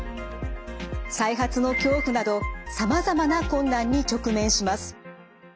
再発の恐怖などさまざまな困難に直面します。